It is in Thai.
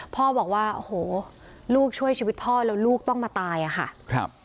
พ่อบอกว่าโอ้โหลูกช่วยชีวิตพ่อแล้วลูกต้องมาตายอะค่ะครับ